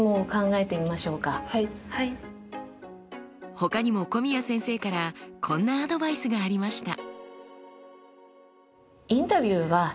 ほかにも古宮先生からこんなアドバイスがありました。